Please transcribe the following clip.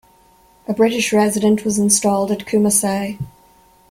A British resident was installed at Kumasi.